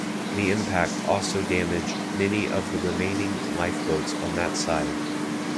The impact also damaged many of the remaining lifeboats on that side.